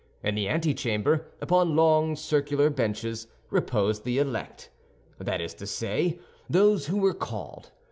In the antechamber, upon long circular benches, reposed the elect; that is to say, those who were called.